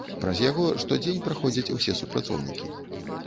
Праз яго штодзень праходзяць усе супрацоўнікі.